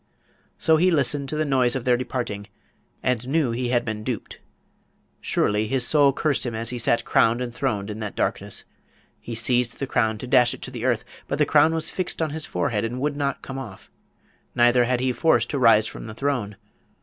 So he listened to the noise of their departing, and knew he had been duped. Surely his soul cursed him as he sat crowned and throned in that darkness! He seized the crown to dash it to the earth, but the crown was fixed on his forehead and would not come off; neither had he force to rise from the throne.